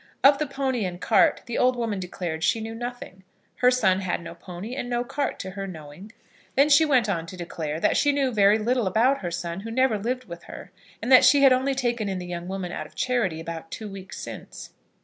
Of the pony and cart the old woman declared she knew nothing. Her son had no pony, and no cart, to her knowing. Then she went on to declare that she knew very little about her son, who never lived with her; and that she had only taken in the young woman out of charity, about two weeks since.